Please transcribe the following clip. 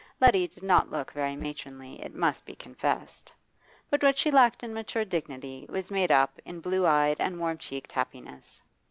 Letty did not look very matronly, it must be confessed; but what she lacked in mature dignity was made up in blue eyed and warm checked happiness.